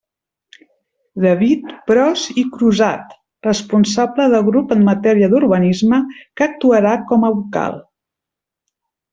David Pros i Crusat, responsable de grup en matèria d'urbanisme, que actuarà com a vocal.